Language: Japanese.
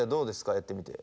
やってみて。